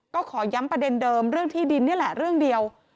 ก็ขอย้ำประเด็นเดิมเรื่องที่ดินนี่แหละเรื่องเดียว